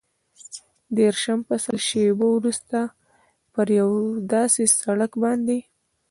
دېرشم فصل، شېبه وروسته پر یو داسې سړک باندې.